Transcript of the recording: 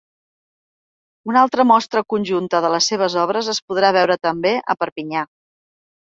Una altra mostra conjunta de les seves obres es podrà veure també a Perpinyà.